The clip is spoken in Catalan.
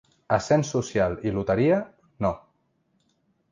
Ascens social i loteria, no.